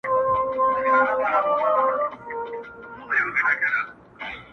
• د ښکاري او د مېرمني ورته پام سو -